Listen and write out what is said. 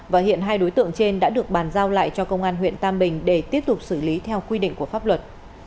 và hiện hai đối tượng trên đã được bàn giao lại cho công an huyện tam bình để tiếp tục xử lý theo quy định của pháp luật